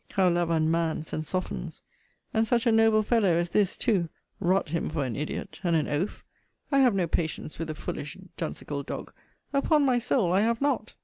How love unmans and softens! And such a noble fellow as this too! Rot him for an idiot, and an oaf! I have no patience with the foolish duncical dog upon my soul, I have not!